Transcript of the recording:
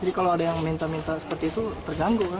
jadi kalau ada yang minta minta seperti itu terganggu kan